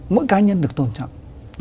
mỗi cá nhân được tôn trọng